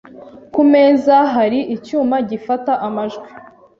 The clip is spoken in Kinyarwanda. Ku meza hari icyuma gifata amajwi.